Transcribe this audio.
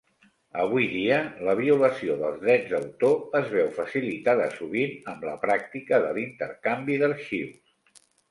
Avui dia la violació dels drets d'autor es veu facilitada sovint amb la pràctica de l'intercanvi d'arxius.